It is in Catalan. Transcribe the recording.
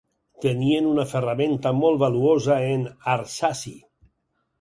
Tenien una ferramenta molt valuosa en Arsaci.